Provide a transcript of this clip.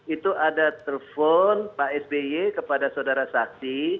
itu ada telepon pak sby kepada saudara saksi